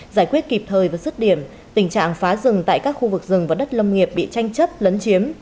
giải quyết kịp thời và dứt điểm tình trạng phá rừng tại các khu vực rừng và đất lâm nghiệp bị tranh chấp lấn chiếm